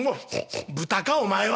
「豚かお前は」。